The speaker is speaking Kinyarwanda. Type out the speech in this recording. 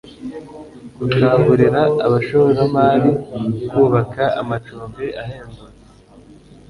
gukangurira abashoramari kubaka amacumbi ahendutse